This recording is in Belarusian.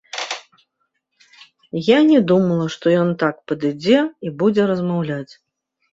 Я не думала, што ён так падыдзе і будзе размаўляць.